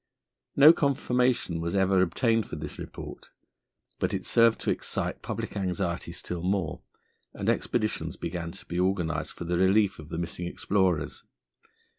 No confirmation was ever obtained for this report, but it served to excite public anxiety still more, and expeditions began to be organised for the relief of the missing explorers.